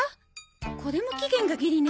これも期限がギリね。